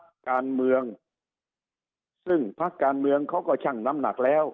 พักการเมืองซึ่งพักการเมืองเขาก็ชั่งน้ำหนักแล้ว